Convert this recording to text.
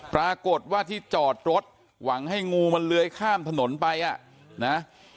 ปรากฏว่าที่จอดรถหวังให้งูมันเลื้อยข้ามถนนไปอ่ะนะ